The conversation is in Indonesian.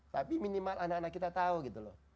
tapi minimal anak anak kita tahu gitu loh